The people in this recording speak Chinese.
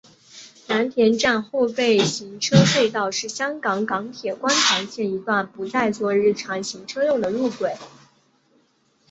蓝田站后备行车隧道是香港港铁观塘线一段不再作日常行车用的路轨。